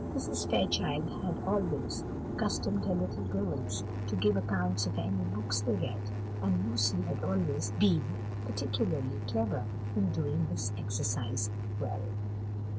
Mrs. Fairchild had always accustomed her little girls to give accounts of any books they read; and Lucy had always been particularly clever in doing this exercise well.